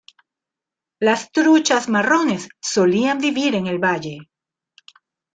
Las truchas marrones solían vivir en el valle.